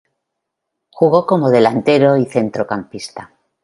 Jugó como delantero y centrocampista.